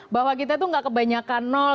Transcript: bahwa kita tuh gak kebanyakan